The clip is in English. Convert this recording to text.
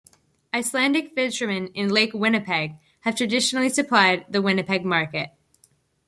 Icelandic fishermen in Lake Winnipeg have traditionally supplied the Winnipeg market.